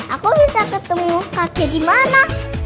aku bisa ketemu kakek dimana